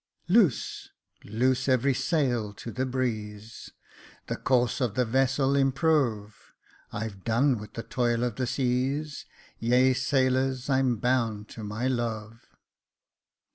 Jacob Faithful 71 "Loose, loose every sail to the breeze, The course of the vessel improve. I've done with the toil of the seas ; Ye sailors, I'm bound to my love.